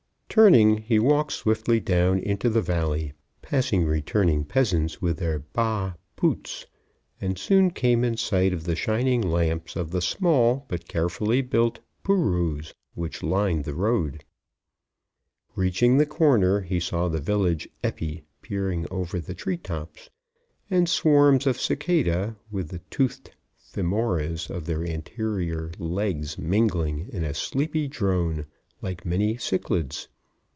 Turning, he walked swiftly down into the valley, passing returning peasants with their baa poots, and soon came in sight of the shining lamps of the small but carefully built pooroos which lined the road. [Illustration: "She turned like a frightened aardvark." (Male, greatly reduced.)] Reaching the corner he saw the village epi peering over the tree tops, and swarms of cicada, with the toothed famoras of their anterior legs mingling in a sleepy drone, like many cichlids.